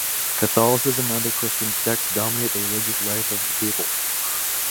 Catholicism and other Christian sects dominate the religious life of the people.